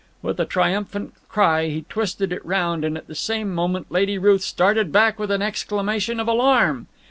With a triumphant cry he twisted it round, and at the same moment Lady Ruth started back with an exclamation of alarm.